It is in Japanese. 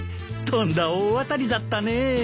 とんだ大当たりだったね。